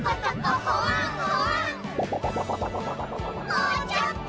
もうちょっと！